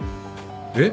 えっ？